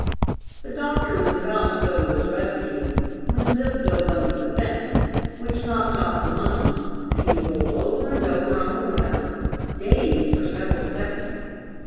The doctor was about to go to his rescue when Zip dove under the fence, which knocked off the monkey, and he rolled over and over on the ground, dazed for several seconds.